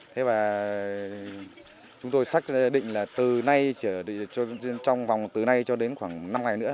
thế và chúng tôi xác định là từ nay trong vòng từ nay cho đến khoảng năm ngày nữa